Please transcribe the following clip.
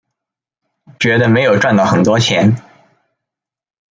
觉得没有赚到很多钱